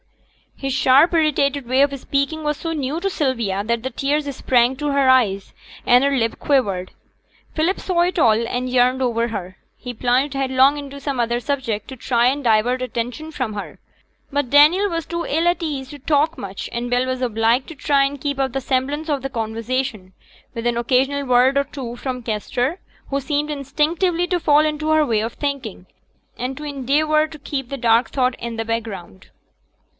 His sharp irritated way of speaking was so new to Sylvia, that the tears sprang to her eyes, and her lip quivered. Philip saw it all, and yearned over her. He plunged headlong into some other subject to try and divert attention from her; but Daniel was too ill at ease to talk much, and Bell was obliged to try and keep up the semblance of conversation, with an occasional word or two from Kester, who seemed instinctively to fall into her way of thinking, and to endeavour to keep the dark thought in the background.